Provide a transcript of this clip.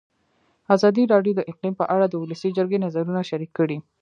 ازادي راډیو د اقلیم په اړه د ولسي جرګې نظرونه شریک کړي.